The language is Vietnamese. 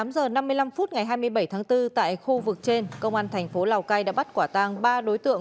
tám giờ năm mươi năm phút ngày hai mươi bảy tháng bốn tại khu vực trên công an thành phố lào cai đã bắt quả tang ba đối tượng